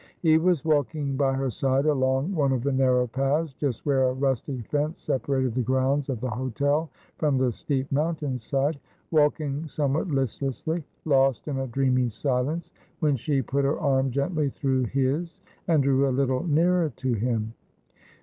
He was walking by her side along one of the narrow paths, just where a rustic fence separated the grounds of the hotel from the steep mountain side — walking somewhat listlessly, lost in a dreamy silence — when she put her arm gently through his and drew a little nearer to him.